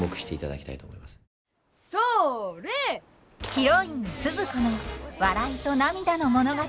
ヒロインスズ子の笑いと涙の物語。